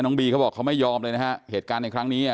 บีเขาบอกเขาไม่ยอมเลยนะฮะเหตุการณ์ในครั้งนี้อ่ะ